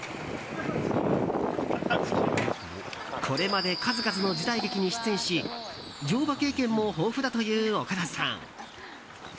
これまで数々の時代劇に出演し乗馬経験も豊富だという岡田さん。